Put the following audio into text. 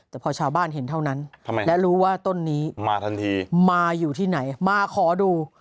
แต่พอชาวบ้านเห็นเท่านั้นและรู้ว่าต้นนี้มาทันทีมาอยู่ที่ไหนมาขอดู